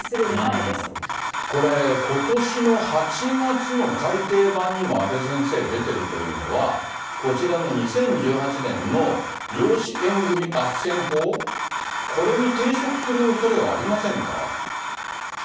これ、ことしの８月の改訂版にも阿部先生、出てるというのは、こちらの２０１８年の養子縁組あっせん法、これに抵触するおそれはありませんか。